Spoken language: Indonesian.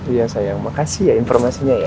iya sayang makasih ya informasinya ya